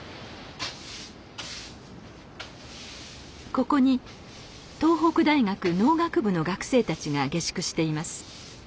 ここに東北大学農学部の学生たちが下宿しています。